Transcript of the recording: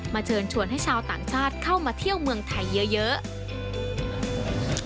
เชิญชวนให้ชาวต่างชาติเข้ามาเที่ยวเมืองไทยเยอะ